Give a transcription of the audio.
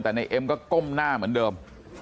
แต่ในเอ็มก็ก้มหน้าเหมือนเดิม